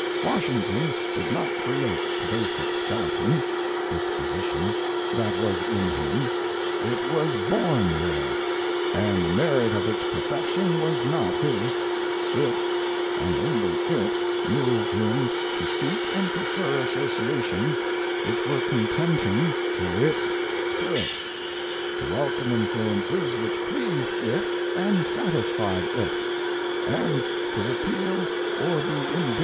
Washington did not create the basic skeleton (disposition) that was in him ; it was born there, and the merit of its perfection was not his. It — and only It — moved him to seek and prefer asso ciations which were contenting to Its spirit; to welcome influ ences which pleased It and satisfied It; and to repel or be indif 614 THE NORTH AMERICAN REVIEW.